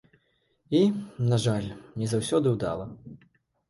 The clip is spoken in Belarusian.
І, на жаль, не заўсёды ўдала.